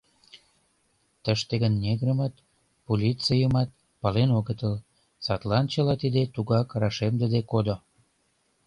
Тыште гын негрымат, полицейымат пален огытыл, садлан чыла тиде тугак рашемдыде кодо.